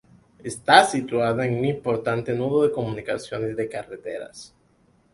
Está situada en un importante nudo de comunicaciones de carreteras.